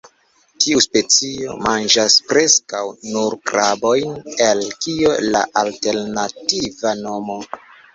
Tiu specio manĝas preskaŭ nur krabojn, el kio la alternativa nomo.